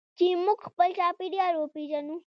چې موږ خپل چاپیریال وپیژنو.